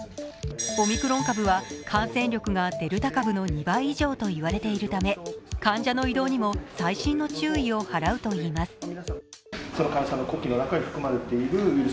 オミクロン株は感染力がデルタ株の２倍以上と言われているため患者の移動にも細心の注意を払うといいます。